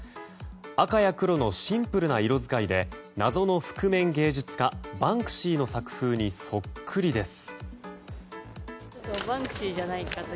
赤や黒のシンプルな色使いで謎の覆面画家バンクシーの作風にそっくりです。